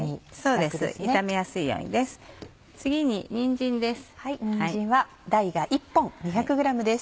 次ににんじんです。